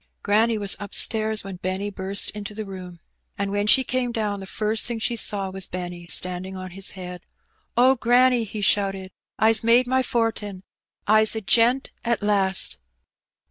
Ghranny was upstairs when Benny burst into the room. 144 Hee Benny. and when she came down the first thing she saw was Benny standing on his head. ''Oh, granny," he shouted, "Ps made my fortin! Fs a gent at last